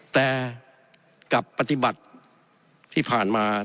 แต่กับปฏิบัติที่ผ่านมา